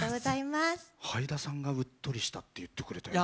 はいださんがうっとりしたって言ってくれたよ。